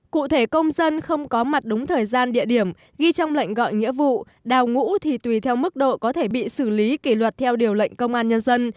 cụ thể công dân không có mặt đúng thời gian địa điểm ghi trong lệnh gọi nghĩa vụ đào ngũ thì tùy theo mức độ có thể bị xử lý kỷ luật theo điều lệnh công an nhân dân